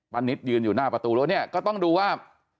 ป้านิดยืนอยู่หน้าประตูรั้วนี้ก็ต้องดูว่า